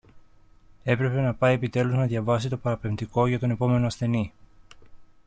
έπρεπε να πάει επιτέλους να διαβάσει το παραπεμπτικό για τον επόμενο ασθενή